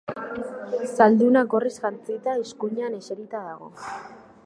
Zalduna, gorriz jantzita, eskuinean eserita dago.